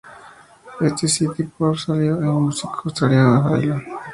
En The City, Port salió con el músico australiano Jay Lyon.